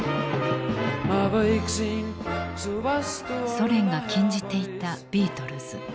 ソ連が禁じていたビートルズ。